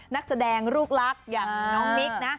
นักแสดงลูกลักษณ์อย่างน้องมิ๊กนะ